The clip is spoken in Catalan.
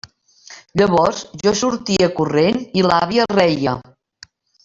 Llavors jo sortia corrent i l'àvia reia.